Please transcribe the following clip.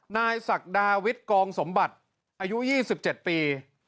นายศักดาวิทย์กองสมบัติอายุ๒๗ปี